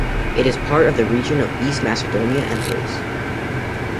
It is part of the Region of East Macedonia and Thrace.